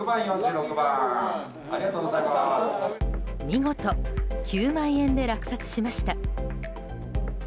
見事、９万円で落札しました。